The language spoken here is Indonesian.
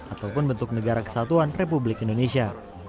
ataupun bentuk negara kesatuan republik indonesia